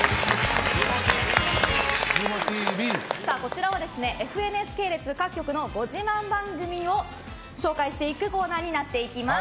こちらは、ＦＮＳ系列各局のご自慢番組を紹介していくコーナーです。